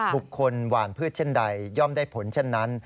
หวานพืชเช่นใดย่อมได้ผลเช่นนั้น